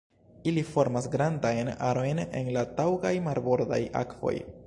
Ili formas grandajn arojn en taŭgaj marbordaj akvoj.